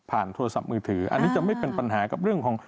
โทรศัพท์มือถืออันนี้จะไม่เป็นปัญหากับเรื่องของ